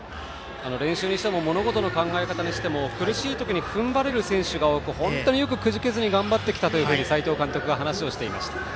練習にしても物事の考え方にしても苦しい時に粘り強い選手がいる本当によくくじけずに頑張ったと斎藤監督は話をしていました。